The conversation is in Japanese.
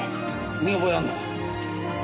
見覚えあんのか？